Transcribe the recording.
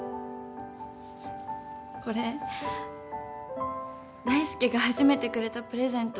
これ大介が初めてくれたプレゼント。